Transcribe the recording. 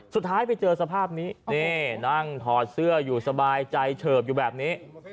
สุดท้ายไปเจอสภาพนี้นี่นั่งถอดเสื้ออยู่สบายใจเฉิบอยู่แบบนี้